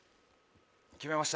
決めました。